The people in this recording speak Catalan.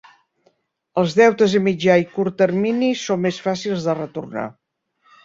Els deutes a mitjà i curt termini són més fàcils de retornar.